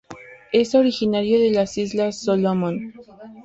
Es originaria de la Islas Solomon.